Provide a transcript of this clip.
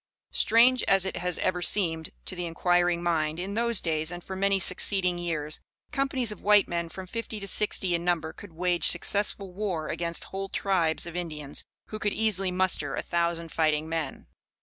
Strange as it has ever seemed, to the inquiring mind, in those days and for many succeeding years, companies of white men from fifty to sixty in number could wage successful war against whole tribes of Indians, who could easily muster a thousand fighting men.